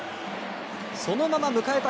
そのまま迎えた